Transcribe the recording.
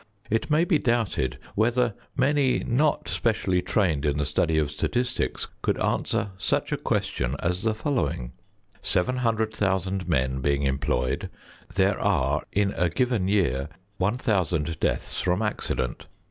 It may be doubted whether many not specially trained in the study of statistics could answer such a question as the following: Seven hundred thousand men being employed, there are, in a given year, one thousand deaths from accident.